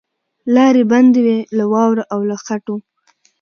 لاري بندي وې له واورو او له خټو